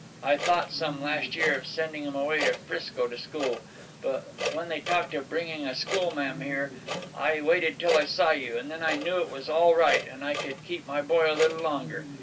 I thought some, last year, of sending him away to Frisco to school, but when they talked of bringing a schoolma'am here, I waited till I saw you, and then I knew it was all right, and I could keep my boy a little longer.